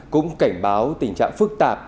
cũng cảnh báo tình trạng phức tạp